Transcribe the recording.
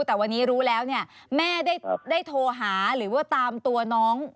แต่วันนี้รู้แล้วเนี่ยแม่ได้โทรหาหรือว่าตามตัวน้อง